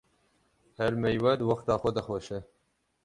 Her meywe di wexta xwe de xweş e